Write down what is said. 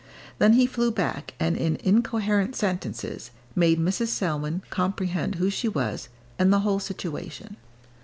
Then he flew back, and in incoherent sentences made Mrs. Selwyn comprehend who she was, and the whole situation.